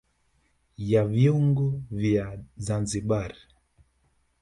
Ya vyungu vya Zanzibar